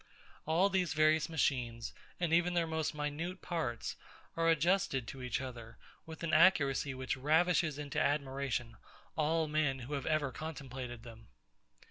All these various machines, and even their most minute parts, are adjusted to each other with an accuracy which ravishes into admiration all men who have ever contemplated them.